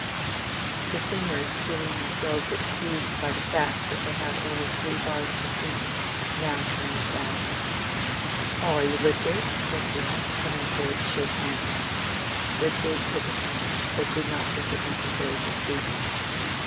The singers feeling themselves excused by the fact that they had only three bars to sing, now turned round. "How are you, Lydgate?" said Will, coming forward to shake hands. Lydgate took his hand, but did not think it necessary to speak.